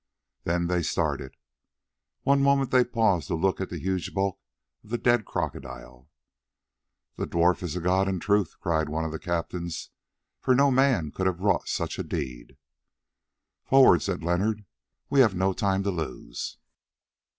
Then they started. One moment they paused to look at the huge bulk of the dead crocodile. "This dwarf is a god in truth," cried one of the captains, "for no man could have wrought such a deed." "Forward," said Leonard, "we have no time to lose."